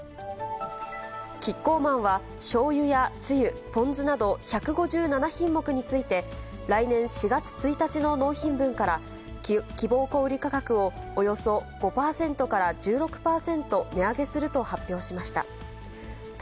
キッコーマンはしょうゆやつゆ、ポン酢など、１５７品目について、来年４月１日の納品分から、希望小売価格をおよそ５％から１６％値上げすると発表しました。